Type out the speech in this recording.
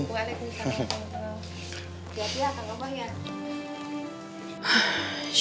diap iap apa kabar ya